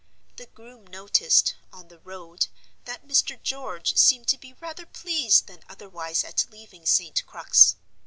The groom noticed, on the road, that "Mr. George seemed to be rather pleased than otherwise at leaving St. Crux."